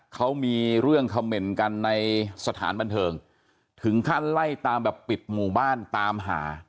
เขามีเรื่องเขม่นกันในสถานบันเทิงถึงขั้นไล่ตามแบบปิดหมู่บ้านตามหา